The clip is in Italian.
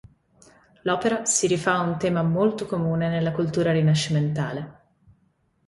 L'opera si rifà a un tema molto comune nella cultura rinascimentale.